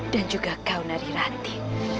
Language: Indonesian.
dan juga kau dari rati